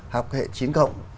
học hệ chính cộng